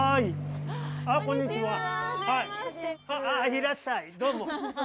いらっしゃいどうぞ。